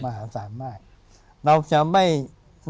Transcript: มหาศาลมาก